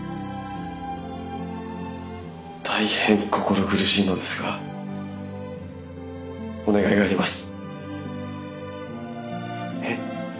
大変心苦しいのですがお願いがあります。